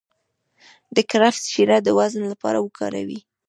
د کرفس شیره د وزن لپاره وکاروئ